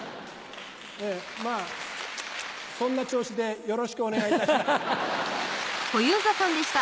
まぁそんな調子でよろしくお願いいたします。